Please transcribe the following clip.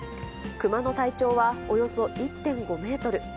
クマの体長はおよそ１．５メートル。